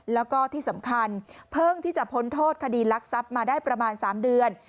แล้วก็ที่สำคัญเพิ่งที่จะพ้นโทษคดีรักทรัพย์มาได้ประมาณ๓เดือน